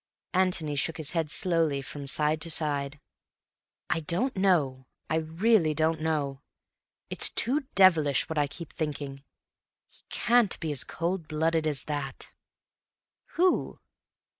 Antony shook his head slowly from side to side. "I don't know; really I don't know. It's too devilish what I keep thinking. He can't be as cold blooded as that." "Who?"